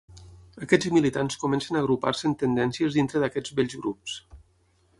Aquests militants comencen a agrupar-se en tendències dintre d'aquests vells grups.